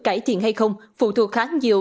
cải thiện hay không phụ thuộc khá nhiều